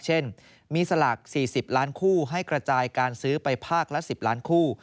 เช่นมีสลาก๔๐ล้านคู่ให้กระจายการซื้อไปภาคละ๑๐ล้านคู่